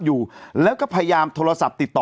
อยู่แล้วก็พยายามโทรศัพท์ติดต่อ